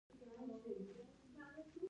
سندره د خیال او حقیقت ګډ ځای دی